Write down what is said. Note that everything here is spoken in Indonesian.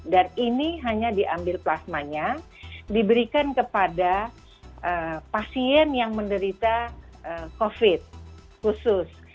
ini hanya diambil plasmanya diberikan kepada pasien yang menderita covid khusus